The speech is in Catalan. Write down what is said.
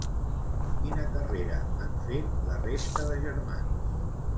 Quina carrera han fet la resta de germans?